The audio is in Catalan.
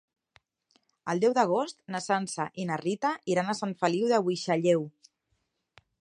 El deu d'agost na Sança i na Rita iran a Sant Feliu de Buixalleu.